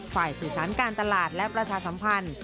ฝ่ายสื่อสารการตลาดและประชาสัมพันธ์